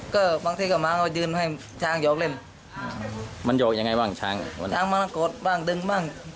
ก็บางทีก็มาก็ยืนให้ช้างหยอกเล่นมันหยอกยังไงบ้างช้างมากดบ้างดึงบ้าง